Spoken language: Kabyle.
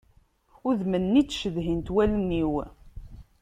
Udem-nni i ttcedhin-t wallen-iw.